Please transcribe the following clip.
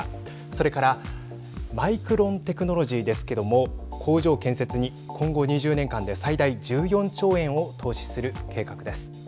それからマイクロンテクノロジーですけれども工場建設に今後２０年間で最大１４兆円を投資する計画です。